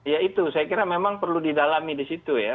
ya itu saya kira memang perlu didalami di situ ya